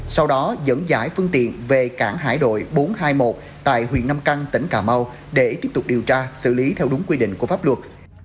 sau đó dẫn giải phương tiện về cảng hải đội bốn trăm hai mươi một tại huyện nam căng tỉnh cà mau để tiếp tục điều tra xử lý theo đúng quy định của pháp luật